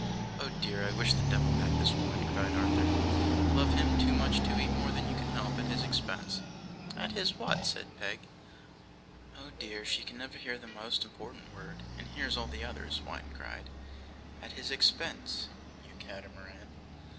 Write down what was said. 'Oh, dear, I wish the devil had this woman!' cried Arthur: 'love him too much to eat more than you can help at his expense.' 'At his what?' said Peg. 'Oh dear! she can never hear the most important word, and hears all the others!' whined Gride. 'At his expense you catamaran!